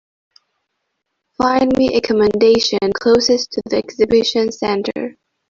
Find me accommodation closest to the exhibition center.